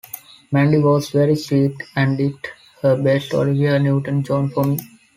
Mandy was very sweet and did her best Olivia Newton-John for me.